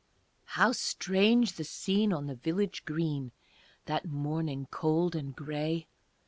How strange the scene on the village green That morning cold and gray!